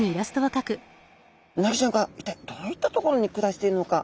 うなぎちゃんが一体どういった所に暮らしているのか。